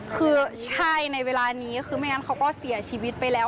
คือใช่ในเวลานี้คือไม่งั้นเขาก็เสียชีวิตไปแล้ว